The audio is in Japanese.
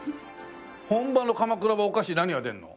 本場の鎌倉はお菓子何が出るの？